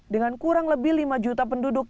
dengan kurang lebih lima juta penduduk